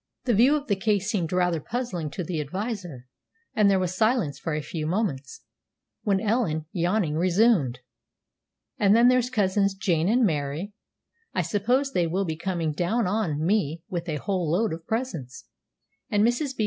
This view of the case seemed rather puzzling to the adviser, and there was silence for a few moments, when Ellen, yawning, resumed: "And then there's Cousins Jane and Mary; I suppose they will be coming down on me with a whole load of presents; and Mrs. B.